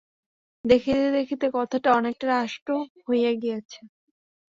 দেখিতে দেখিতে কথাটা অনেকটা রাষ্ট্র হইয়া গিয়াছে।